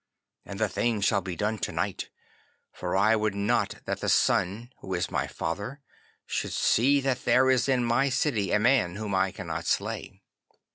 And the thing shall be done to night, for I would not that the Sun, who is my father, should see that there is in my city a man whom I cannot slay."